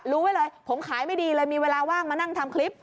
รู้ไว้เลยผมขายไม่ดีเลยมีเวลาว่างมานั่งทำคลิป